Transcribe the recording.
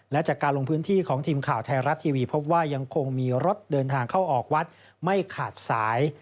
และจากการลงพื้นที่ของทีมข่าวไทยรัฐทีวีพบว่ายังคงมีรถเดินทางเข้าออกวัดไม่ขาดสาย